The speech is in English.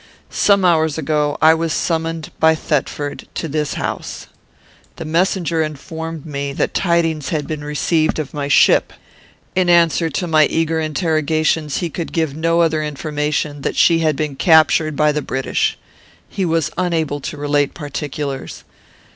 Some hours ago, I was summoned by Thetford to his house. The messenger informed me that tidings had been received of my ship. In answer to my eager interrogations, he could give no other information than that she had been captured by the British. He was unable to relate particulars.